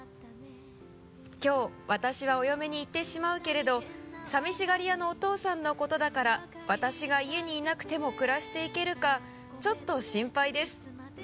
「きょう私はお嫁に行ってしまうけれど寂しがり屋のお父さんのことだから私が家にいなくても暮らしていけるかちょっと心配です」